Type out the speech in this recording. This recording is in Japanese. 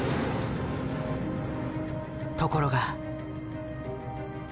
ところが。